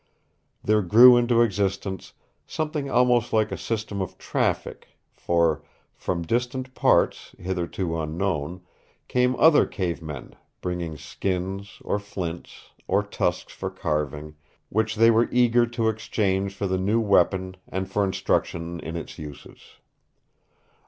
There grew into existence something almost like a system of traffic, for, from distant parts, hitherto unknown, came other cave men, bringing skins, or flints, or tusks for carving, which they were eager to exchange for the new weapon and for instruction in its uses.